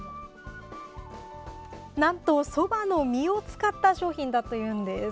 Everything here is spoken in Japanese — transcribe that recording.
なんと、そばの実を使った商品だというのです。